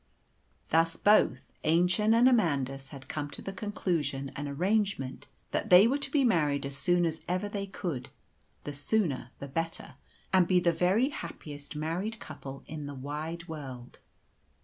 Thus both Aennchen and Amandus had come to the conclusion and arrangement that they were to be married as soon as ever they could the sooner the better and be the very happiest married couple in the wide world.